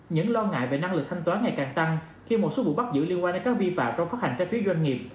những lo ngại về năng lực thanh toán ngày càng tăng khi một số vụ bắt giữ liên quan đến các vi phạm trong phát hành trái phiếu doanh nghiệp